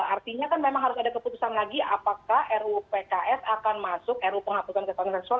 artinya kan memang harus ada keputusan lagi apakah ru pks akan masuk ru penghapusan kekerasan seksual